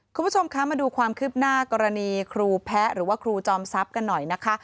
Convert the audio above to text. คุณผู้ชมคะมาดูความคืบหน้ากรณีครูแพ้หรือว่าครูจอมทรัพย์กันหน่อยนะคะ